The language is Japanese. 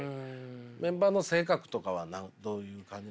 メンバーの性格とかはどういう感じなんですか？